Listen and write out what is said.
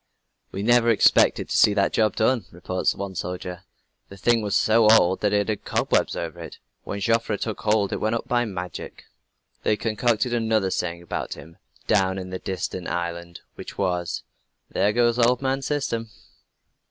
"We never expected to see that job done," reports one soldier. "The thing was so old that it had cobwebs over it. When Joffre took hold it went up by magic." They concocted another saying about him, down in that distant island, which was: "There goes old man System!"